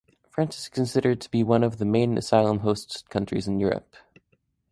France is considered to be one of the main asylum host countries in Europe.